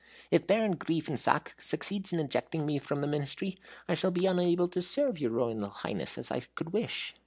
If Baron Griefensack succeeds in ejecting me from the Ministry, I shall be unable to serve your Royal Highness as I could wish.